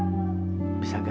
saya mau pergi ke rumah